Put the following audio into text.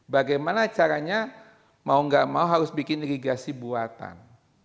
bagaimana caranya mau gak mau harus bikin irigasi buatan